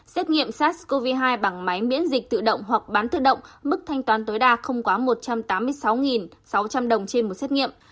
xét nghiệm sars cov hai bằng máy miễn dịch tự động hoặc bán tự động mức thanh toán tối đa không quá một trăm tám mươi sáu sáu trăm linh đồng trên một xét nghiệm